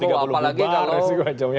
tidak semua pak prabowo